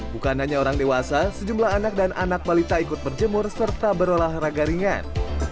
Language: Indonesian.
bukan hanya orang dewasa sejumlah anak dan anak balita ikut berjemur serta berolahraga ringan